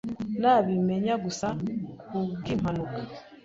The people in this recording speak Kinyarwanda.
Nabimenye gusa kubwimpanuka.